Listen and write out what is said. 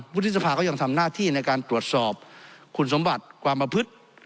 วุฒิสภาก็ยังทำหน้าที่ในการตรวจสอบคุณสมบัติความประพฤติ